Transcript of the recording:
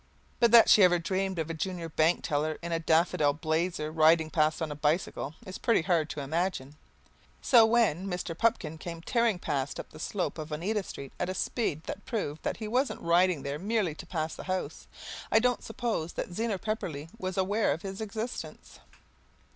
But that she ever dreamed of a junior bank teller in a daffodil blazer riding past on a bicycle, is pretty hard to imagine. So, when Mr. Pupkin came tearing past up the slope of Oneida Street at a speed that proved that he wasn't riding there merely to pass the house, I don't suppose that Zena Pepperleigh was aware of his existence.